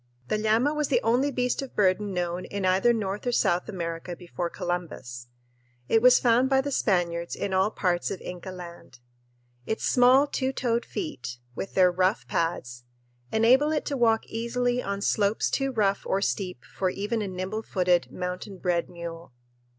The llama was the only beast of burden known in either North or South America before Columbus. It was found by the Spaniards in all parts of Inca Land. Its small two toed feet, with their rough pads, enable it to walk easily on slopes too rough or steep for even a nimble footed, mountain bred mule.